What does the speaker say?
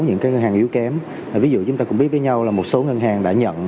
những ngân hàng yếu kém ví dụ chúng ta cũng biết với nhau là một số ngân hàng đã nhận